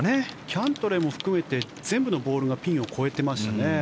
キャントレーも含めて全部のボールがピンを越えてましたね。